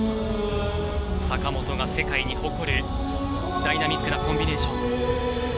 坂本が世界に誇るダイナミックなコンビネーション。